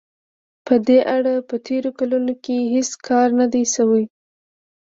په دې اړه په تېرو کلونو کې هېڅ کار نه دی شوی.